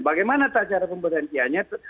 bagaimana secara pemberhentiannya